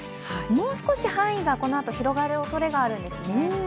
もう少し範囲がこのあと広がるおそれがあるんですね。